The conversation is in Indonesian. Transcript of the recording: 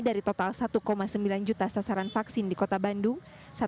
dari total satu sembilan juta sasaran vaksin di kota bandung